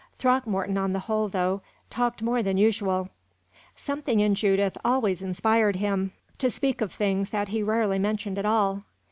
Throckmorton, on the whole, though, talked more than usual. Something in Judith always inspired him to speak of things that he rarely mentioned at all.